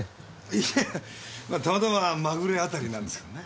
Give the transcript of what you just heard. いやあたまたままぐれ当たりなんですけどね。